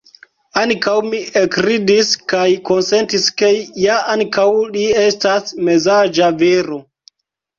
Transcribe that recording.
Ankaŭ mi ekridis, kaj konsentis ke, ja ankaŭ li estas mezaĝa viro.